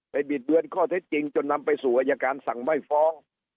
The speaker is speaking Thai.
บิดเบือนข้อเท็จจริงจนนำไปสู่อายการสั่งไม่ฟ้อง